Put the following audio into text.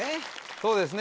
そうですね